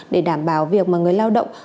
để đảm bảo việc mà người lao động